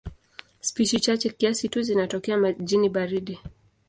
Spishi chache kiasi tu zinatokea majini baridi.